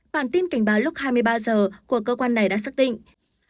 bản tin cảnh báo lúc hai mươi ba h của cơ quan này đã xác định